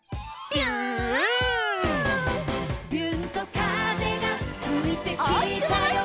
「びゅーんと風がふいてきたよ」